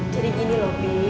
jadi gini loh fi